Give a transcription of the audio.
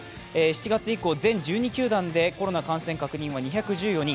７月以降、全１２球団でコロナ感染判明は２１２人。